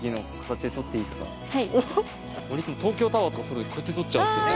俺いつも東京タワーとか撮る時こうやって撮っちゃうんですよ。